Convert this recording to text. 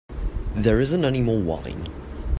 There isn't any more wine.